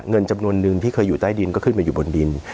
เงินจำนวนนึงที่เคยอยู่ใต้ดินก็ขึ้นมาอยู่บนดิน